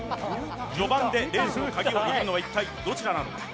序盤でレースのカギを握るのは一体どちらなのか。